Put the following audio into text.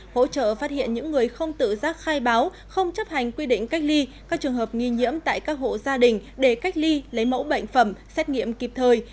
hỗ trợ phát hiện những người không tự giác khai báo không chấp hành quy định cách ly các trường hợp nghi nhiễm tại các hộ gia đình để cách ly lấy mẫu bệnh phẩm xét nghiệm kịp thời